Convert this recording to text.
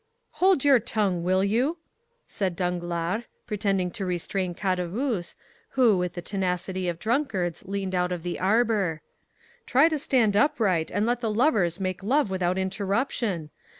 "Hold your tongue, will you?" said Danglars, pretending to restrain Caderousse, who, with the tenacity of drunkards, leaned out of the arbor. "Try to stand upright, and let the lovers make love without interruption.